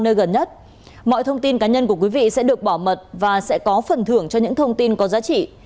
nơi gần nhất mọi thông tin cá nhân của quý vị sẽ được bảo mật và sẽ có phần thưởng cho những thông tin có giá trị